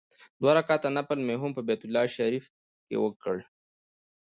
دوه رکعته نفل مې هم په بیت الله شریفه کې وکړ.